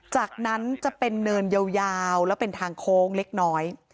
จากนั้นจะเป็นเนินยาวแล้วเป็นทางโค้งเล็กน้อย